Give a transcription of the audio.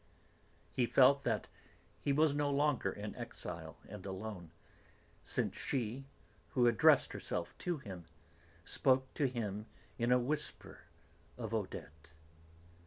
He felt that he was no longer in exile and alone since she, who addressed herself to him, spoke to him in a whisper of Odette.